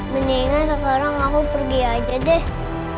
mendingan sekarang aku pergi aja deh